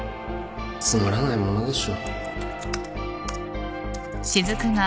つまらないものでしょ